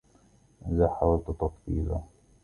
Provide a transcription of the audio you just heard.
إذا حاولت تطفيلا